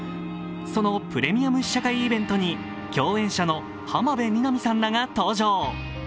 そのプレミアム試写会イベントに共演者の浜辺美波さんらが登場。